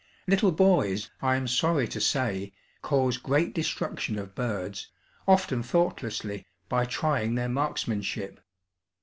Little boys, I am sorry to say, cause great destruction of birds, often thoughtlessly, by trying their marksmanship.